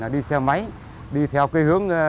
đi xe máy đi theo cái hướng